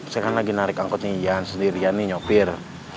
saya kan lagi narik angkotnya jalan sendirian nih nyopir